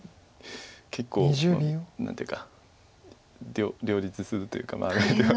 結構何ていうか両立するというか。